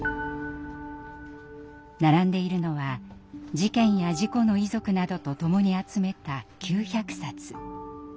並んでいるのは事件や事故の遺族などと共に集めた９００冊。